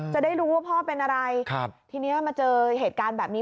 จะได้รู้ว่าพ่อเป็นอะไรครับทีนี้มาเจอเหตุการณ์แบบนี้